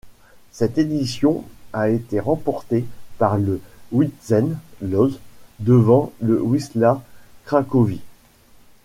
Cette édition a été remportée par le Widzew Łódź, devant le Wisła Cracovie.